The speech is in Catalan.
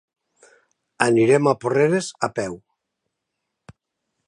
Anirem a Porreres a peu.